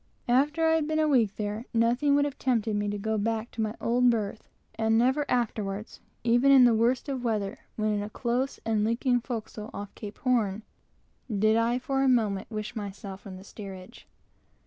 After I had been a week there, nothing would have tempted me to go back to my old berth, and never afterwards, even in the worst of weather, when in a close and leaking forecastle off Cape Horn, did I for a moment wish myself in the steerage.